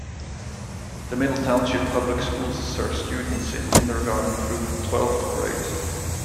The Middle Township Public Schools serve students in kindergarten through twelfth grade.